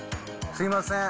すみません。